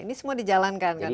ini semua dijalankan